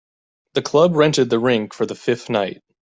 The club rented the rink for the fifth night.